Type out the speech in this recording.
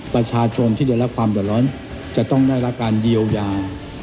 ประชาชนที่ได้รับความเดือดร้อนจะต้องได้รับการเยียวยา